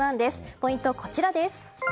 ポイントはこちらです。